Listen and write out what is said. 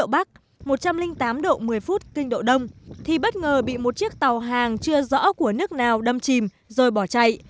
bắc một trăm linh tám độ một mươi phút kinh độ đông thì bất ngờ bị một chiếc tàu hàng chưa rõ của nước nào đâm chìm rồi bỏ chạy